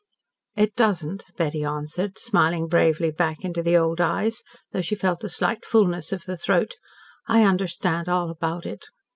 "It doesn't," Betty answered, smiling bravely back into the old eyes, though she felt a slight fulness of the throat. "I understand all about it."